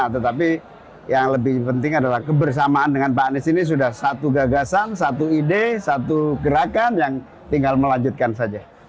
tetapi yang lebih penting adalah kebersamaan dengan pak anies ini sudah satu gagasan satu ide satu gerakan yang tinggal melanjutkan saja